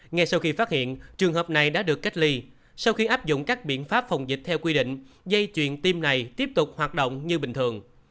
ngay sau khi phát hiện trường hợp này đã được cách ly sau khi áp dụng các biện pháp phòng dịch theo quy định dây chuyền tiêm này tiếp tục hoạt động như bình thường